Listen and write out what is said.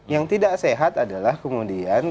yang tidak sehat adalah kemudian kalau percaya dengan kpu